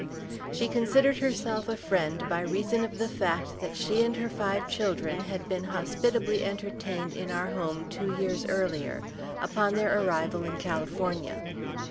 She considered herself a friend by reason of the fact that she and her five children had been hospitably entertained in our home two years earlier, upon their arrival in California.